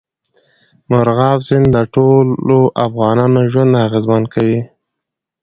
مورغاب سیند د ټولو افغانانو ژوند اغېزمن کوي.